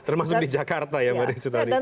termasuk di jakarta ya mbak desi tadi